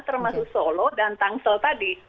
termasuk solo dan tangsel tadi